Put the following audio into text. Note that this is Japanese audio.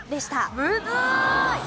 むずい！